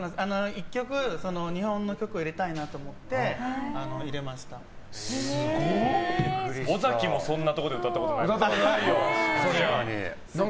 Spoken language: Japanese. １曲、日本の曲を入れたいなと思って尾崎もそんなところで歌ったことないのに。